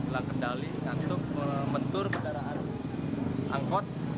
langkah dali untuk membentuk